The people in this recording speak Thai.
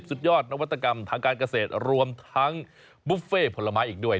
สุดยอดนวัตกรรมทางการเกษตรรวมทั้งบุฟเฟ่ผลไม้อีกด้วย